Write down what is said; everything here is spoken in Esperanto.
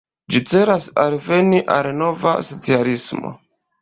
Ĝi celas alveni al nova socialismo.